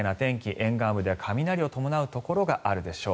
沿岸部では雷を伴うところがあるでしょう。